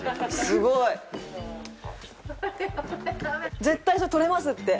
すごい！絶対それ取れますって。